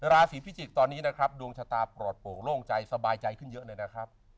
ราศีพิจิกษ์ตอนนี้นะครับดวงชะตาปลอดโปร่งโล่งใจสบายใจขึ้นเยอะเลยนะครับ